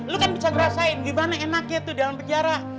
lu kan bisa ngerasain gimana enaknya tuh dalam penjara